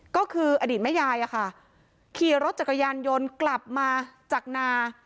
ก็คืออดีตแม่ยายอะค่ะขี่รถจักรยานยนต์กลับมาจากนา